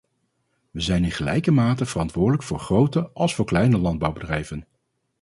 We zijn in gelijke mate verantwoordelijk voor grote als voor kleine landbouwbedrijven.